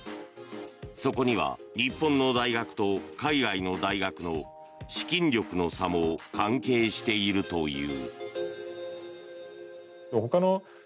そこには日本の大学と海外の大学の資金力の差も関係しているという。